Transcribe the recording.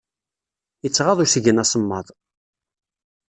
Ittɣaḍ usgen asemmaḍ.